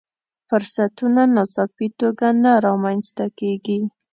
فرصتونه ناڅاپي توګه نه رامنځته کېږي.